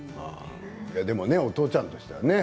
でもお父ちゃんとしてはね